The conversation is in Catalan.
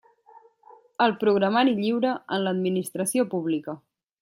El programari lliure en l'Administració Pública.